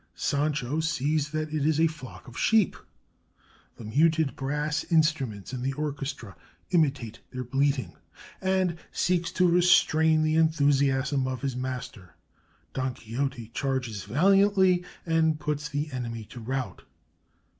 Sancho sees that it is a flock of sheep (the muted brass instruments in the orchestra imitate their bleating), and seeks to restrain the enthusiasm of his master. Don Quixote charges valiantly and puts the enemy to rout.